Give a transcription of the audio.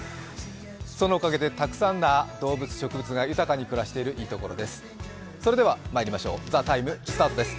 そのおかげでたくさんの動物、植物が豊かに暮らしている、いい所です。